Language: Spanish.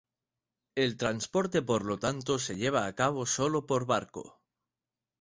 El transporte por lo tanto se lleva a cabo sólo por barco.